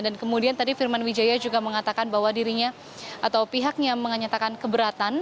dan kemudian tadi firman wijaya juga mengatakan bahwa dirinya atau pihaknya menyatakan keberatan